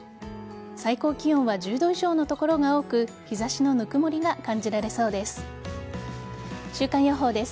最高気温は１０度以上の所が多く日差しのぬくもりが感じられそうです。